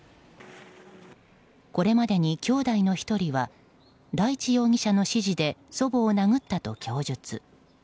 これまでにきょうだいの１人は大地容疑者の指示で祖母を殴ったと供述。